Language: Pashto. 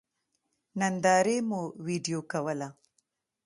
نندارې مو وېډيو کوله.